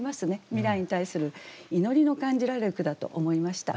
未来に対する祈りの感じられる句だと思いました。